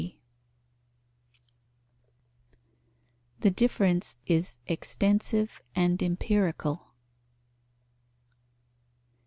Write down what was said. _The difference is extensive and empirical.